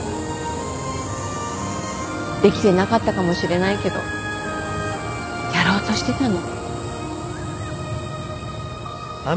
できてなかったかもしれないけどやろうとしてたの。